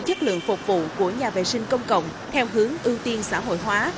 chất lượng phục vụ của nhà vệ sinh công cộng theo hướng ưu tiên xã hội hóa